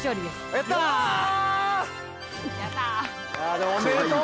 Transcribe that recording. でもおめでとう！